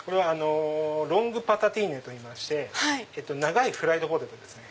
ロングパタティーネといいまして長いフライドポテトですね。